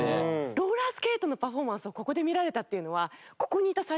ローラースケートのパフォーマンスをここで見られたっていうのは。